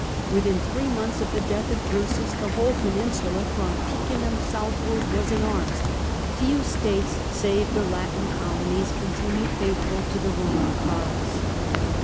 Within three months of the death of Drusus, the whole peninsula from Piceniim southward was in arms : few states save the Latin colonies continued faithful to the Roman cause.